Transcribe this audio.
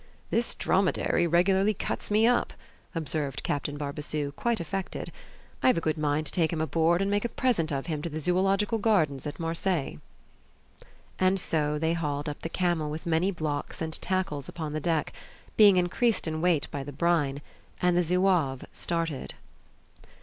"This dromedary regularly cuts me up," observed Captain Barbassou, quite affected. "I have a good mind to take him aboard and make a present of him to the Zoological Gardens at Marseilles." And so they hauled up the camel with many blocks and tackles upon the deck, being increased in weight by the brine, and the Zouave started.